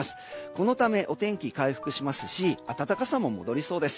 このため、お天気回復しますし暖かさも戻りそうです。